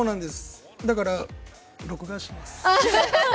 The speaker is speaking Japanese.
だから録画します。